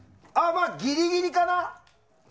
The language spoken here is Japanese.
まあ、ギリギリかな。